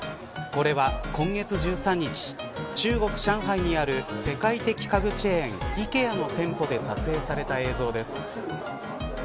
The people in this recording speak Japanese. これは、今月１３日中国上海にある世界的家具チェーンＩＫＥＡの店舗で撮影された映像です。